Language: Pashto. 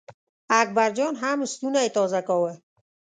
اکبر جان هم ستونی تازه کاوه.